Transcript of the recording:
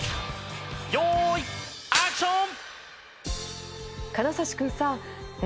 用意アクション！